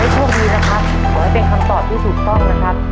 โชคดีนะครับขอให้เป็นคำตอบที่ถูกต้องนะครับ